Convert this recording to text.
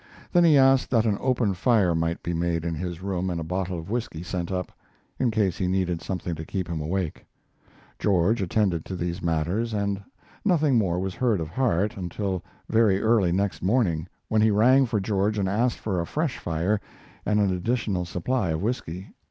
Then he asked that an open fire might be made in his room and a bottle of whisky sent up, in case he needed something to keep him awake. George attended to these matters, and nothing more was heard of Harte until very early next morning, when he rang for George and asked for a fresh fire and an additional supply of whisky.